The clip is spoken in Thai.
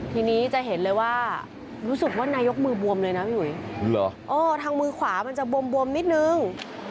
ทีนี้จะเห็นเลยว่ารู้สึกว่านายกมือบวมเลยนะพี่หุยทางมือขวามันจะบวมนิดนึง